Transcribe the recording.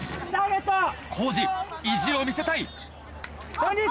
コージ意地を見せたい。